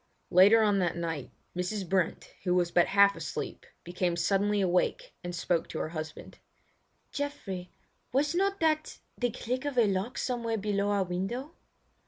Later on that night, Mrs. Brent, who was but half asleep, became suddenly awake and spoke to her husband: "Geoffrey, was not that the click of a lock somewhere below our window?"